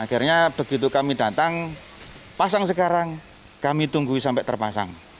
akhirnya begitu kami datang pasang sekarang kami tunggu sampai terpasang